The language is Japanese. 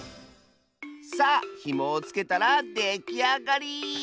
さあひもをつけたらできあがり！